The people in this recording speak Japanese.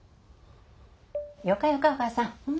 よかよかお母さん。